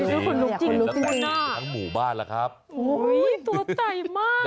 แล้วแต่เห็นทั้งหมู่บ้านล่ะครับโอ้ยตัวใจมาก